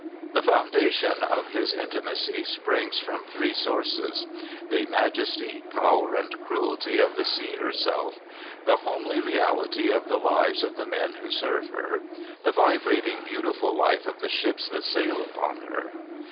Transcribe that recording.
The foundation of his intimacy springs from three sources the majesty, power and cruelty of the Sea herself, the homely reality of the lives of the men who serve her, the vibrating, beautiful life of the ships that sail upon her.